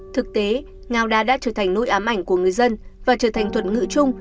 thực tế ngào đá đã trở thành nỗi ám ảnh của người dân và trở thành thuật ngựa chung